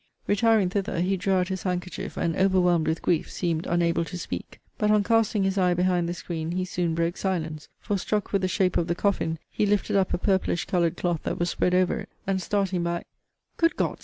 Retiring thither, he drew out his handkerchief, and, overwhelmed with grief, seemed unable to speak; but, on casting his eye behind the screen, he soon broke silence; for, struck with the shape of the coffin, he lifted up a purplish coloured cloth that was spread over it, and, starting back, Good God!